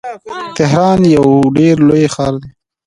تهران یو ډیر لوی ښار دی.